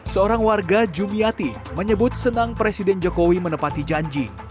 seorang warga jumiati menyebut senang presiden jokowi menepati janji